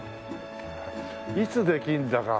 いつできるんだか。